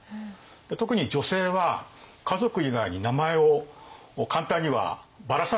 特に女性は家族以外に名前を簡単にはばらさないですね。